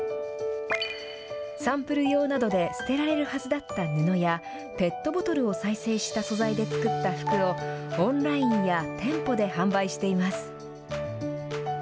サンプル用などで捨てられるはずだった布やペットボトルを再生した素材で作った服をオンラインや店舗で販売しています。